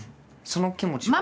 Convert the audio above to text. その気持ちは？